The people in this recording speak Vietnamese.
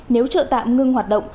nếu chợ tạm ngưng hoạt động